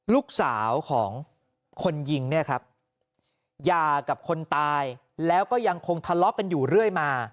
ลูกสาวของคนยิงเนี่ยครับหย่ากับคนตายแล้วก็ยังคงทะเลาะกันอยู่เรื่อยมา